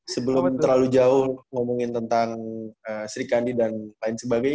sebelum terlalu jauh ngomongin tentang sri kandi dan lain sebagainya